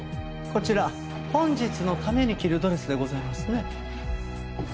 こちら本日のために着るドレスでございますね。